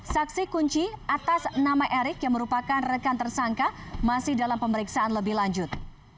saksi kunci atas nama erik yang merupakan rekan tersangka masih dalam pemeriksaan lebih lanjut